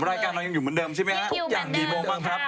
รายการเรายังอยู่เหมือนเดิมใช่มั้ยฮะ